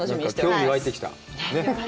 興味が湧いてきた。